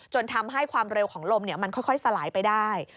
ทำให้ความเร็วของลมมันค่อยสลายไปได้